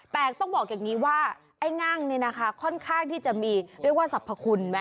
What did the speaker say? แต่ต้องบอกอย่างนี้ว่าไอ้งั่งนี่นะคะค่อนข้างที่จะมีเรียกว่าสรรพคุณไหม